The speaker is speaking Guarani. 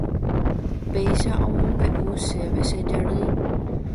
Péicha omombeʼu chéve che jarýi.